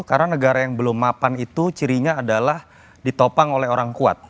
karena negara yang belum mapan itu cirinya adalah ditopang oleh orang kuat